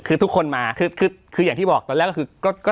คือทุกคนมาคือคือคืออย่างที่บอกตอนแรกก็คือก็ก็